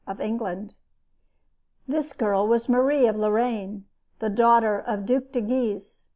of England. This girl was Marie of Lorraine, daughter of the Duc de Guise.